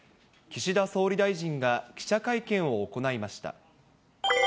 岸田総理大臣が記者会見を行いました。